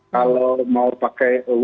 kalau mau pakai